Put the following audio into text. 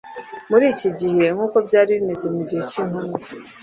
Muri iki gihe nk'uko byari bimeze mu gihe cy'intumwa,